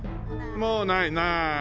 もうないない。